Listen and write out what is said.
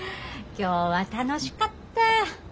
今日は楽しかった。